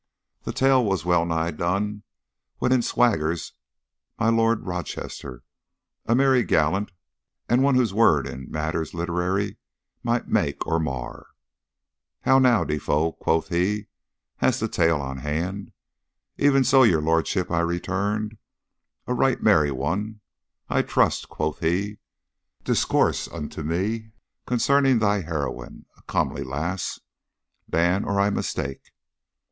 The tale was well nigh done when in swaggers my Lord of Rochester a merry gallant, and one whose word in matters literary might make or mar. 'How now, Defoe,' quoth he, 'hast a tale on hand?' 'Even so, your lordship,' I returned. 'A right merry one, I trust,' quoth he. 'Discourse unto me concerning thy heroine, a comely lass, Dan, or I mistake.